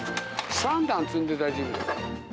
３段積んで大丈夫よ。